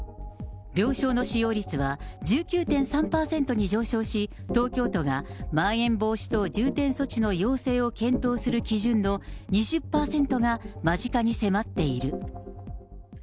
病床の使用率は、１９．３％に上昇し、東京都がまん延防止等重点措置の要請を検討する基準の２０％が間近に迫っている。